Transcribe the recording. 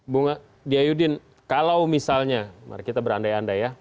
bunga diyayudin kalau misalnya mari kita berandai andai ya